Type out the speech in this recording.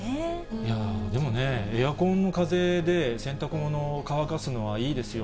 いやぁ、でもね、エアコンの風で洗濯物乾かすのはいいですよ。